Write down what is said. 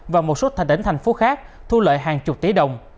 và một số thành tỉnh thành phố khác thu lợi hàng chục tỷ đồng